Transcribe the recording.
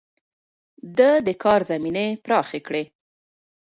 ده د کار زمينې پراخې کړې.